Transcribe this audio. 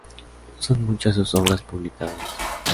Son muchas sus obras publicadas.